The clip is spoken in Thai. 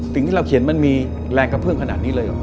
สิ่งที่เราเขียนมันมีแรงกระเพื่อมขนาดนี้เลยเหรอ